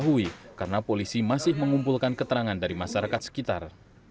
diketahui karena polisi masih mengumpulkan keterangan dari masyarakat sekitar